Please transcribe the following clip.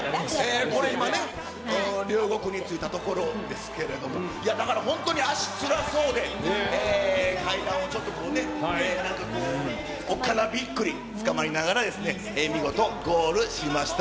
これ今ね、両国に着いたところですけれども、だから本当に足、つらそうで、階段をちょっとこうね、なんかこう、おっかなびっくりつかまりながら、見事ゴールしました。